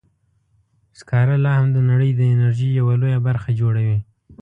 سکاره لا هم د نړۍ د انرژۍ یوه لویه برخه جوړوي.